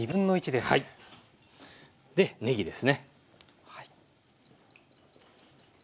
ねぎですね。